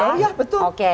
oh ya betul